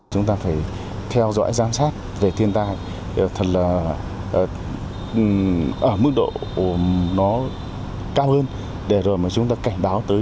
chúng ta phải theo dõi giám sát về thiên tai thật là ở mức độ nó cao hơn để rồi mà chúng ta cảnh báo tới